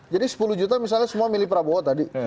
jadi sepuluh juta misalnya semua milih prabowo tadi